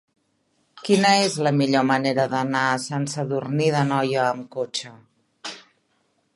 Quina és la millor manera d'anar a Sant Sadurní d'Anoia amb cotxe?